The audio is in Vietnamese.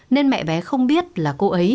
nên mẹ bé không biết là cô ấy